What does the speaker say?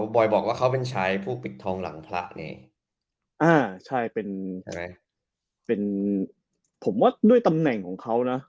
บอยบอกว่าเขาเป็นชายผู้ปิดทองหลังพวก